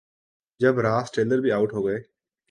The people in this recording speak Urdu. جب راس ٹیلر بھی آوٹ ہو گئے۔